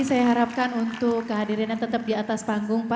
saya harapkan untuk kehadirinan tetap di atas panggung